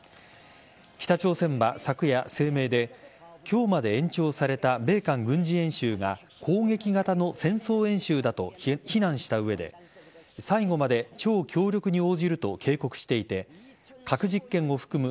北朝鮮は昨夜、声明で今日まで延長された米韓軍事演習が攻撃型の戦争演習だと非難した上で最後まで超強力に応じると警告していて核実験を含む